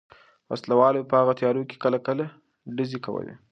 وسله والو به په هغو تیارو کې کله کله ډزې کولې.